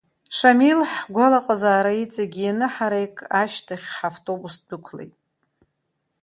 Шамил, ҳгәалаҟазаара иҵегьы ианыҳараик ашьҭахь ҳавтобус дәықәлеит.